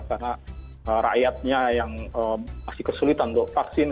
karena rakyatnya yang masih kesulitan untuk vaksin